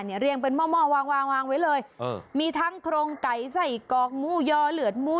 เนี่ยเรียงเป็นหม้อวางวางไว้เลยเออมีทั้งโครงไก่ไส้กอกงูยอเหลือดมู